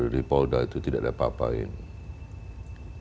di polda itu tidak ada apa apa ini